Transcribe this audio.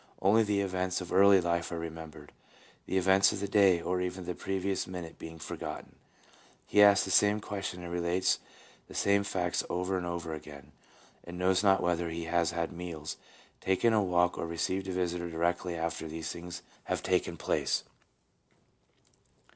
Only the events of early life are remem bered ; the events of the day, or even the previous minute, being forgotten. He asks the same questions and relates the same facts over and over again, and knows not whether he has had meals, taken a walk, or received a visitor directly after these things have taken place.